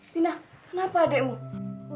dina kenapa adekmu